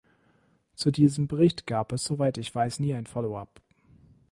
Zu diesem Bericht gab es, soweit ich weiß, nie ein Follow-up.